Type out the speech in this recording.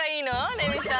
レミさん。